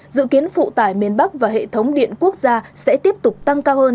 dự kiến phụ tải miền bắc và hệ thống điện quốc gia sẽ tiếp tục tăng cao hơn